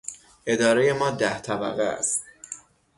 ادارهی ما ده طبقه است.